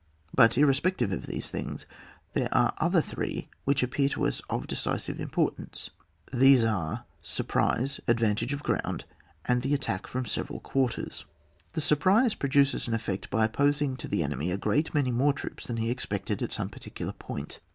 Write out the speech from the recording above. But, irrespective of these things, there are other three which appear to us of decisive importance, these are: sur prtM, advantage of ground^ and the attack from several quarters. The surprise pro duces an effect by opposing to the enemy a great many more troops than he ex pected at some particular point.